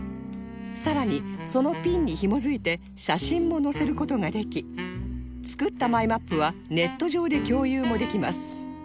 さらにそのピンにひも付いて写真も載せる事ができ作ったマイマップはネット上で共有もできます